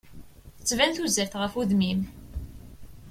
Tettban tuzert ɣef udem-im.